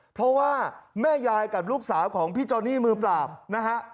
เพราะว่าแม่ยายกับลูกสาวของพี่โจนี่มือปราบนะฮะ